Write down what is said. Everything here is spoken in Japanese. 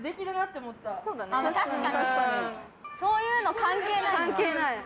確かにそういうの関係ないわ。